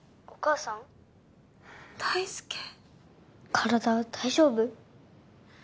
体大丈夫？